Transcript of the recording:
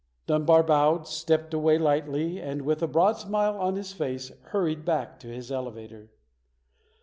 Dunbar bowed, stepped away lightly and with a broad smile on his face hurried back to his elevator.